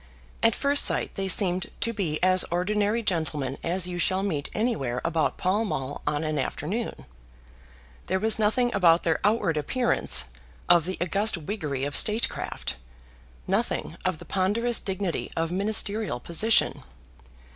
At first sight they seemed to be as ordinary gentlemen as you shall meet anywhere about Pall Mall on an afternoon. There was nothing about their outward appearance of the august wiggery of statecraft, nothing of the ponderous dignity of ministerial position.